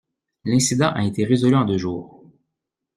L'incident a été résolu en deux jours.